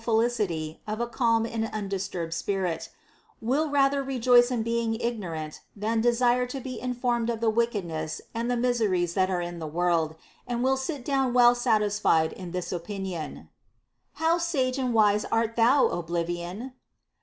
felicity of a calm and undisturbed spirit, will rather rejoice in being ignorant than desire to be informed of the wickedness and the mis eries that are in the world, and will sit down well satisfied in this opinion, How sage and wise art thou, oblivion